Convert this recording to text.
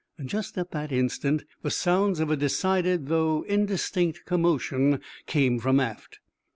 Just at that instant the sounds of a decided though indistinct commotion came from aft.